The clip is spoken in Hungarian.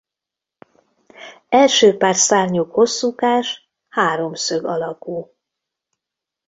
Első pár szárnyuk hosszúkás háromszög alakú.